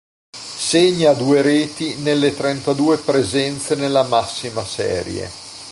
Segna due reti nelle trentadue presenze nella massima serie.